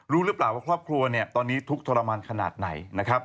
รู้หรือเปล่าว่าครอบครัวเนี่ยตอนนี้ทุกข์ทรมานขนาดไหนนะครับ